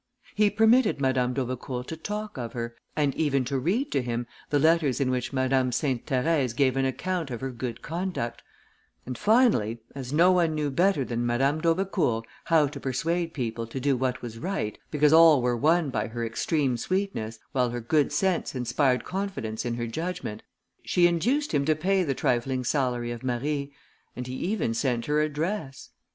He permitted Madame d'Aubecourt to talk of her, and even to read to him the letters in which Madame Sainte Therèse gave an account of her good conduct; and, finally, as no one knew better than Madame d'Aubecourt how to persuade people to do what was right, because all were won by her extreme sweetness, while her good sense inspired confidence in her judgment, she induced him to pay the trifling salary of Marie; and he even sent her a dress.